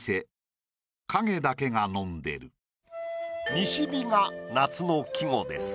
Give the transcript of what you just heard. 「西日」が夏の季語です。